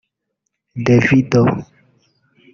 Davido